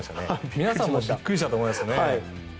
皆さんもびっくりしたと思いますね。